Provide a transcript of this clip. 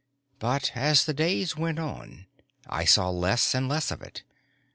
But as the days went on, I saw less and less of it.